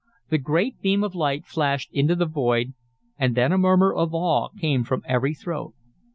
The great beam of light flashed into the void, and then a murmur of awe came from every throat.